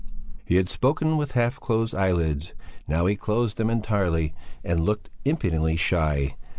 He had spoken with half closed eyelids; now he closed them entirely and looked impudently shy.